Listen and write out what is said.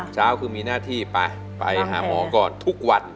เช้าคือมีหน้าที่ไปไปหาหมอก่อนทุกวัน